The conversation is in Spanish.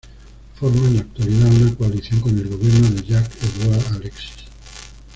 Forma en la actualidad una coalición con el gobierno de Jacques-Édouard Alexis.